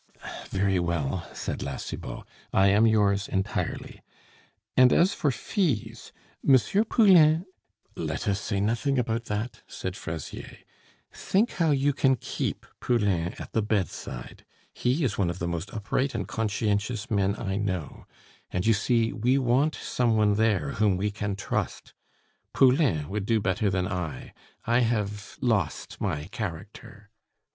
"Very well," said La Cibot, "I am yours entirely; and as for fees, M. Poulain " "Let us say nothing about that," said Fraisier. "Think how you can keep Poulain at the bedside; he is one of the most upright and conscientious men I know; and, you see, we want some one there whom we can trust. Poulain would do better than I; I have lost my character."